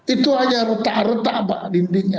itu hanya retak retak pak dindingnya